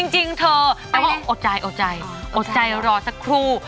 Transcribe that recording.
จริงเธอแปลว่าอดใจอดใจอดใจรอสักครู่